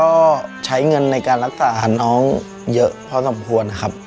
ก็ใช้เงินในการรักษาน้องเยอะพอสมควรครับ